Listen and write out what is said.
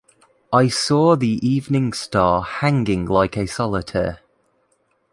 I saw the evening star hanging like a solitaire.